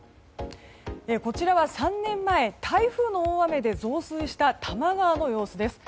こちらは３年前台風の大雨で増水した多摩川の様子です。